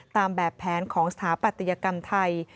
ตามแบบแผนของสถาปัตยกรรมไทย